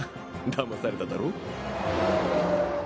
だまされただろ？